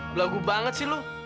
belagu banget sih lo